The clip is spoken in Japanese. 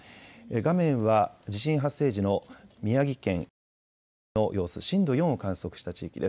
画面は地震発生時の宮城県石巻市の様子、震度４を観測した地域です。